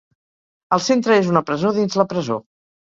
El centre és una presó dins la presó.